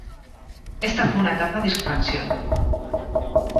Ésta fue una etapa de expansión.